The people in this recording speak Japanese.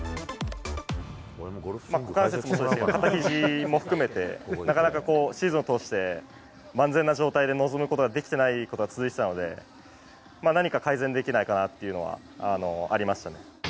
股関節、肩、ひじも含めて、なかなかこう、シーズンを通して万全な状態で臨むことができてないことが続いていたので、何か改善できないかなというのはありましたね。